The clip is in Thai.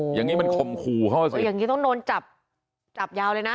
อย่างนี้มันข่มขู่เข้าไปสิอย่างนี้ต้องโดนจับจับยาวเลยนะ